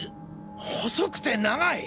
細くて長い？